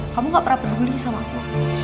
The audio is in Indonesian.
kamu gak pernah peduli sama aku